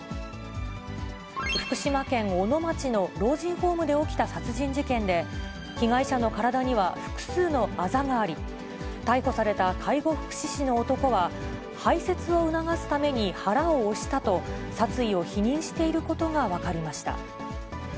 福島県小野町の老人ホームで起きた殺人事件で、被害者の体には複数のあざがあり、逮捕された介護福祉士の男は、排せつを促すために腹を押したと、殺意を否認していることが分かりました。